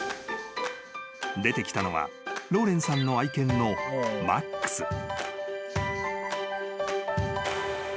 ［出てきたのはローレンさんの愛犬のマックス］